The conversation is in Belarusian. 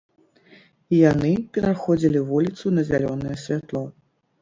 Яны пераходзілі вуліцу на зялёнае святло.